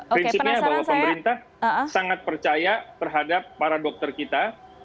prinsipnya bahwa pemerintah sangat percaya terhadap para dokter kita